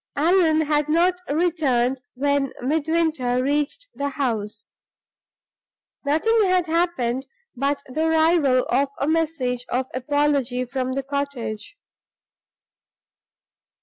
Allan had not returned when Midwinter reached the house. Nothing had happened but the arrival of a message of apology from the cottage.